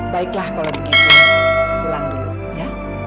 baiklah kalau begitu pulang dulu ya